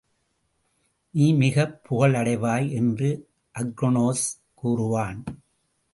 நீ மிகப் புகழ் அடைவாய் என்று அக்ரோனோஸ் கூறுவான்.